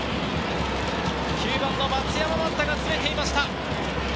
９番の増山万太が詰めていました。